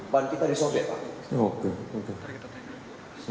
ban kita disombek pak